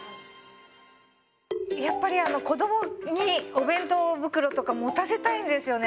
やっぱりあの子供にお弁当袋とか持たせたいんですよね。